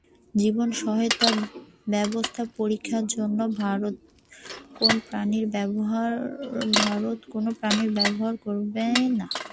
জীবন সহায়তা ব্যবস্থা পরীক্ষার জন্য ভারত কোন প্রাণী ব্যবহার করবে না।